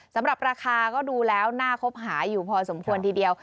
สำหรับราคาก็ดูแล้วน่าคบหาอยู่พอสมควรทีเดียว